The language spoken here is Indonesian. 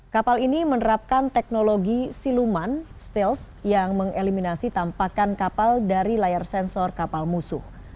kapal ini menerapkan teknologi siluman steelt yang mengeliminasi tampakan kapal dari layar sensor kapal musuh